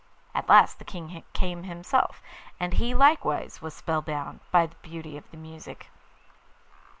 At last the King came himself, and he likewise was spellbound by the beauty of the music.